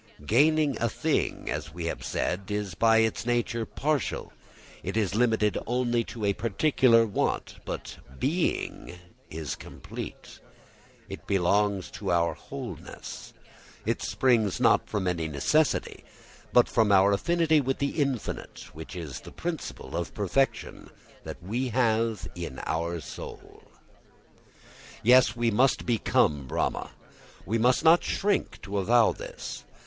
Gaining a thing, as we have said, is by its nature partial, it is limited only to a particular want; but being is complete, it belongs to our wholeness, it springs not from any necessity but from our affinity with the infinite, which is the principle of perfection that we have in our soul. Yes, we must become Brahma. We must not shrink to avow this.